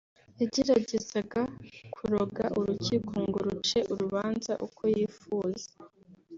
yageragezaga kuroga urukiko ngo ruce urubanza uko yifuza